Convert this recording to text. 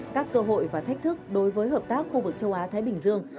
các cơ hội và thách thức đối với hợp tác khu vực châu á thái bình dương